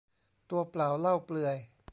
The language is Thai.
ตัวเปล่าเล่าเปลือย